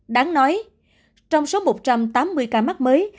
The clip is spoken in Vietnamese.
đáng nói trong số một trăm tám mươi ca mắc mới